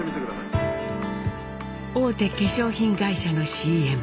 大手化粧品会社のＣＭ。